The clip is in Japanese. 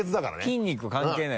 筋肉関係ない。